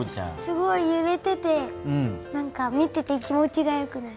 すごいゆれててなんか見てて気持ちが良くなる。